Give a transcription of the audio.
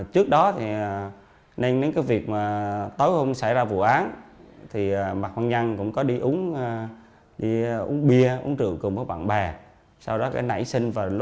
trước đó nên đến việc tối hôm xảy ra vụ án mạc văn nhân cũng có đi uống bia uống rượu cùng với bạn bè